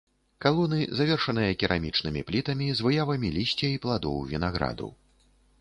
Калоны завершаныя керамічнымі плітамі з выявамі лісця і пладоў вінаграду.